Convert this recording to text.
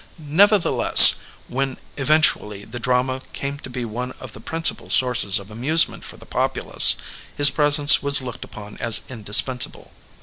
Nevertheless, when eventually the drama came to be one of the principal sources of amusement for the populace, his presence was looked upon as indispensable.